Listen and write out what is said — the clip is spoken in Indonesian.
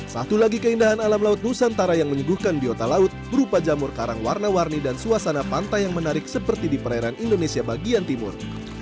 satu lagi keindahan alam laut nusantara yang menyuguhkan biota laut berupa jamur karang warna warni dan suasana pantai yang menarik seperti di perairan indonesia bagian timur